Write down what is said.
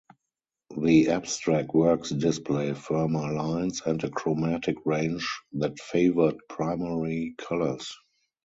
The abstract works display firmer lines and a chromatic range that favored primary colors.